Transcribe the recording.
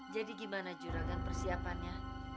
jadi gimana juragan persiapannya